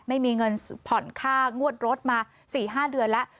ไม่มีเงินผ่อนค่างวดรถมา๔๕เดือนแล้ว